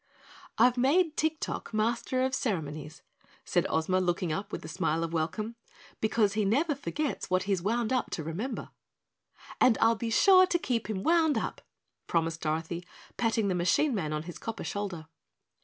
"I've made Tik Tok Master of Ceremonies," said Ozma, looking up with a smile of welcome, "because he never forgets what he's wound up to remember." "And I'll be sure to keep him wound up," promised Dorothy, patting the machine man on his copper shoulder.